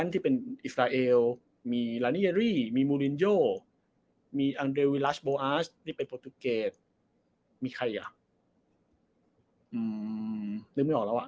ที่เป็นอิสราเอลมีมีมีมีที่เป็นมีใครอ่ะอืมลืมไม่ออกแล้วอ่ะ